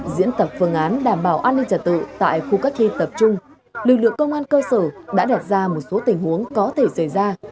diễn tập phương án đảm bảo an ninh trả tự tại khu cách ly tập trung lực lượng công an cơ sở đã đặt ra một số tình huống có thể xảy ra